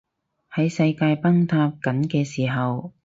喺世界崩塌緊嘅時候